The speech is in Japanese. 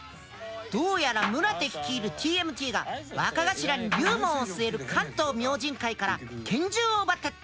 どうやら宗手率いるＴＭＴが若頭に龍門を据える関東明神会から拳銃を奪ったってことだ。